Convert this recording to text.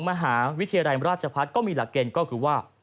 มหาวิทยาลัยราชพัฒน์ก็มีหลักเกณฑ์ก็คือว่า